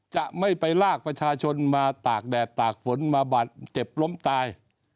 จะไม่ไปลากประชาชนมาตากแดดตากฝนมาบาดเจ็บล้มตาย